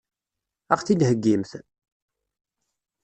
Ad ɣ-t-id-heggimt?